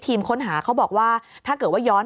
ทีมค้นหาเขาบอกว่าถ้าเกิดว่าย้อน